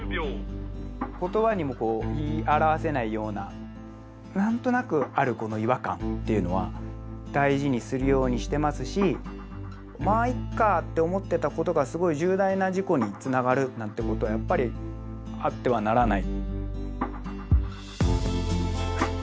言葉にもこう言い表せないような何となくあるこの違和感っていうのは大事にするようにしてますし「まあいっか」って思ってたことがすごい重大な事故につながるなんてことはやっぱりあってはならない。